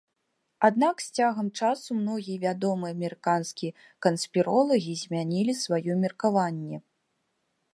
Аднак з цягам часу многія вядомыя амерыканскія канспіролагі змянілі сваё меркаванне.